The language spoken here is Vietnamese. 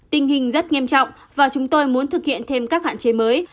tình hình rất nghiêm trọng và chúng tôi muốn thực hiện thêm các hạn chế mới